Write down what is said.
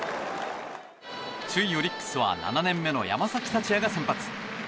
首位オリックスは７年目の山崎福也が先発。